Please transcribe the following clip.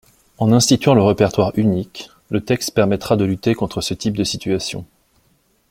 En instituant le répertoire unique, le texte permettra de lutter contre ce type de situation.